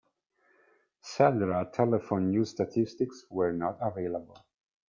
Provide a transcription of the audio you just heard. Cellular-telephone-use statistics were not available.